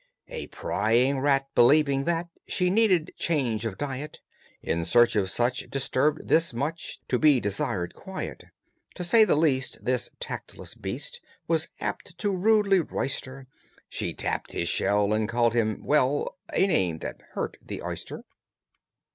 A prying rat, believing that She needed change of diet, In search of such disturbed this much To be desired quiet. To say the least, this tactless beast Was apt to rudely roister: She tapped his shell, and called him well, A name that hurt the oyster.